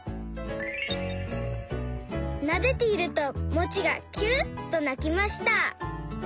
「なでているとモチが『キュウ』っとなきました」。